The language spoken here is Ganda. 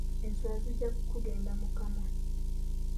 Enswera zijja kukugenda mu kamwa